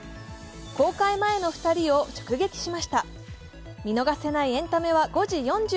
公開前の２人を直撃しました。